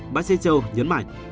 bác sĩ châu nhấn mạnh